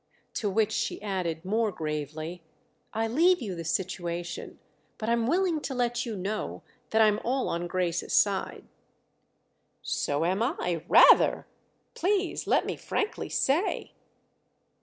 To which she added more gravely: "I leave you the situation—but I'm willing to let you know that I'm all on Grace's side." "So am I, rather!—please let me frankly say."